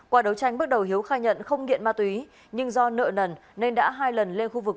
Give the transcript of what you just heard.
qua đấu tranh bước đầu hiếu khai nhận không nghiện ma túy nhưng do nợ nần nên đã hai lần lên khu vực